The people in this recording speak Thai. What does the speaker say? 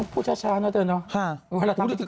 พี่สุบกฤทธิ์พี่แอฟ